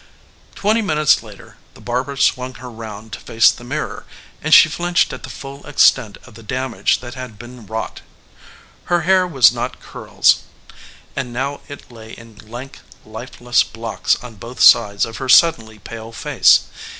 Twenty minutes later the barber swung her round to face the mirror, and she flinched at the full extent of the damage that had been wrought. Her hair was not curls and now it lay in lank lifeless blocks on both sides of her suddenly pale face.